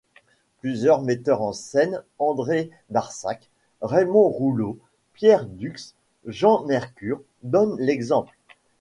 Plusieurs metteurs en scène, André Barsacq, Raymond Rouleau, Pierre Dux, Jean Mercure, donnent l’exemple.